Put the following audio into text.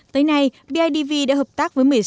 tới nay bidv đã hợp tác với một mươi sáu